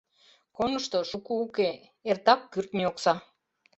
Конышто шуко уке — эртак кӱртньӧ окса.